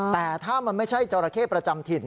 แต่ถ้ามันไม่ใช่จราเข้ประจำถิ่น